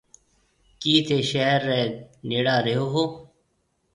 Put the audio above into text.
ڪِي ٿَي شهر ريَ نيڙا رهيو هون۔